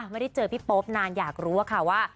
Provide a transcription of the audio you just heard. ไม่ได้เจอพี่โป๊ปนานอยากรู้อะค่ะว่า